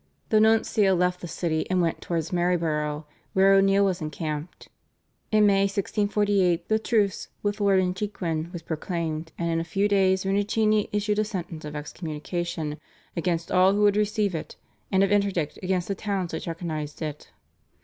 The nuncio left the city and went towards Maryborough, where O'Neill was encamped. In May 1648 the truce with Lord Inchiquin was proclaimed, and in a few days Rinuccini issued a sentence of excommunication against all who would receive it, and of interdict against the towns which recognised it.